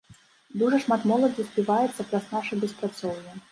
Дужа шмат моладзі співаецца праз наша беспрацоўе.